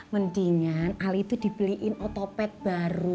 mendingan ali itu dibeliin otopet baru